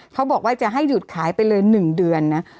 เขาบอกว่าจะให้หยุดขายไปเลย๑เดือนนะ